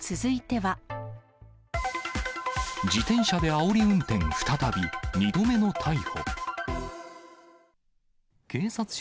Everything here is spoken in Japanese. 自転車であおり運転再び、２度目の逮捕。